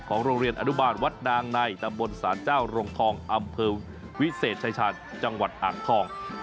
ของโรงเรียนอนุบาลวัดดางนายตะบนสารเจ้ารงทองอำเภอวิเศษชายชาติจังหวัดอ่านทอง